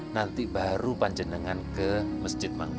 nanti baru pan jenengan akan berjaya berkata kata dengan saya